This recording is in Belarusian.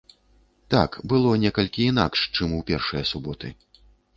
Так, было некалькі інакш, чым у першыя суботы.